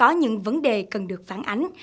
có những vấn đề cần được phản ánh